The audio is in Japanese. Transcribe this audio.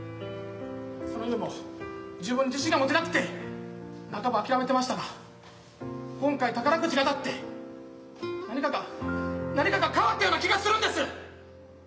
その夢も自分に自信が持てなくて半ば諦めてましたが今回宝くじが当たって何かが何かが変わったような気がするんです！